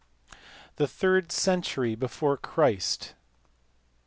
The third century before Christ.